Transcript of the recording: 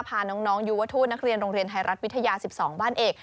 พาน้องยูวทูตนักเรียนโรงเรียนไทยรัฐวิทยา๑๒บ้านเอก